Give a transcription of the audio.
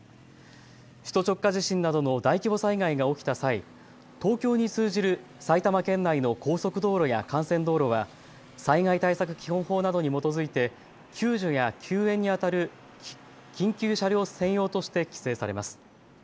首都直下地震などの大規模災害が起きた際、東京に通じる埼玉県内の高速道路や幹線道路は災害対策基本法などに基づいて救助や救援にあたる緊急車両専用として規制されます。